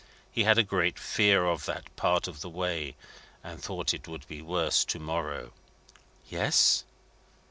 He had a great fear of that part of the way, and thought it would be worse to morrow." "Yes?"